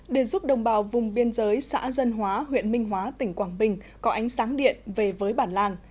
để giúp đồng bào vùng biên giới xã dân hóa huyện minh hóa tỉnh quảng bình có ánh sáng điện về với bản làng